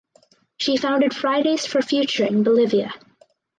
She founded Fridays For Future in Bolivia.